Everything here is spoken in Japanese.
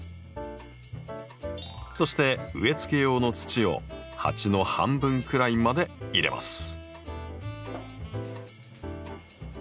そして植えつけ用の土を鉢の半分くらいまで入れます。